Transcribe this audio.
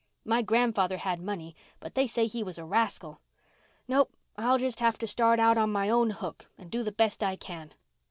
My grandfather had money, but they say he was a rascal. No, I'll just have to start out on my own hook and do the best I can."